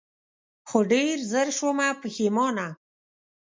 خو ډېر زر شومه پښېمانه